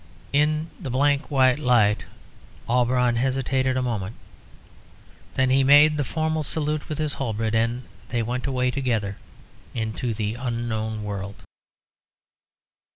In the blank white light Auberon hesitated a moment. Then he made the formal salute with his halberd, and they went away together into the unknown world.